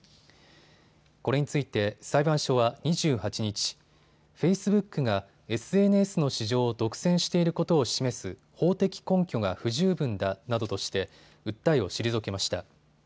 これについて裁判所は２８日、フェイスブックがＳＮＳの市場を独占していることを示す法的根拠が不十分だなどとして訴えを退けました。